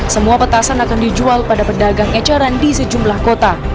semua petasan akan dijual pada pedagang eceran di sejumlah kota